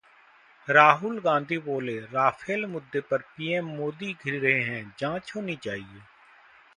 राहुल गांधी बोले- राफेल मुद्दे पर पीएम मोदी घिरे हैं, जांच होनी चाहिए